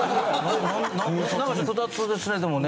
なんか複雑ですねでもね